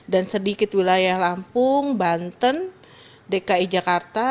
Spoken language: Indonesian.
dan sedikit wilayah lampung banten dki jakarta